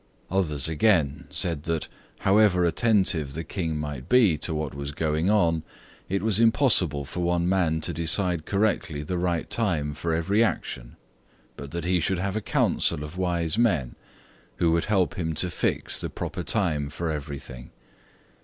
Others, again, said that however attentive the King might be to what was going on, it was impossible for one man to decide correctly the right time for every action, but that he should have a Council of wise men, who would help him to fix the proper time for everything.